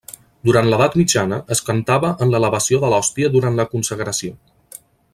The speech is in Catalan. Durant l'edat mitjana es cantava en l'elevació de l'hòstia durant la consagració.